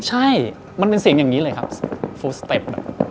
ใช่มันเป็นเสียงอย่างนี้เลยครับฟูสเต็ป